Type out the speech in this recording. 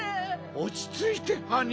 おちついてハニー。